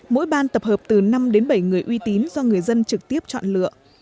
mỗi ban tập hợp từ năm đến bảy người uy tín do người dân trực tiếp chọn lựa